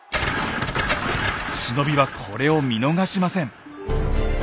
忍びはこれを見逃しません。